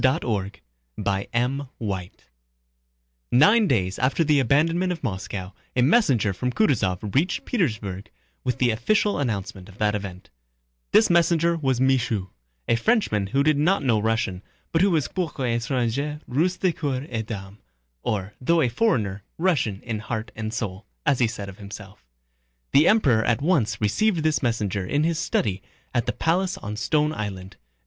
CHAPTER III Nine days after the abandonment of Moscow, a messenger from Kutúzov reached Petersburg with the official announcement of that event. This messenger was Michaud, a Frenchman who did not know Russian, but who was quoique étranger, russe de cœur et d'âme, * as he said of himself. * Though a foreigner, Russian in heart and soul. The Emperor at once received this messenger in his study at the palace on Stone Island.